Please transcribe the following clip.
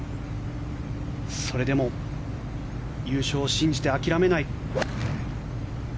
それでも優勝を信じて諦めない。